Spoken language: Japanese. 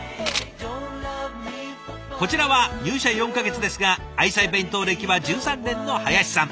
こちらは入社４か月ですが愛妻弁当歴は１３年の林さん。